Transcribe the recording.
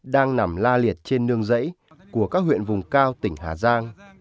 đang nằm la liệt trên nương rẫy của các huyện vùng cao tỉnh hà giang